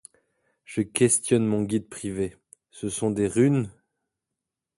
Je questionne mon guide privé :— Ce sont des runes ?